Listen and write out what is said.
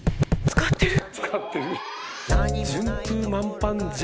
使ってる。